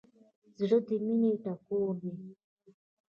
زړه د مینې ټیکری دی.